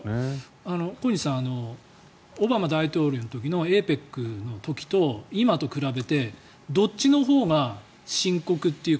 小西さんオバマ大統領のＡＰＥＣの時と今と比べてどっちのほうが深刻っていうか。